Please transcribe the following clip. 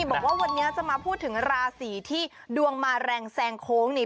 บอกว่าวันนี้จะมาพูดถึงราศีที่ดวงมาแรงแซงโค้งนี่